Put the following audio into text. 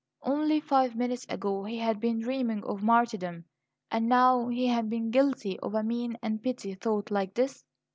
Only five minutes ago he had been dreaming of martyrdom; and now he had been guilty of a mean and petty thought like this!